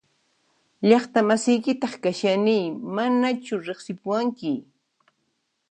Llaqta masiykitaq kashani ¿Manachu riqsipuwanki?